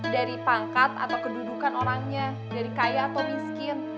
dari pangkat atau kedudukan orangnya dari kaya atau miskin